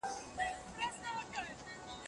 ملتپال حرکت په اناتوليا کې پياوړی کېده.